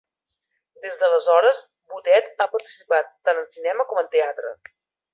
Des d'aleshores, Botet ha participat tant en cinema com en teatre.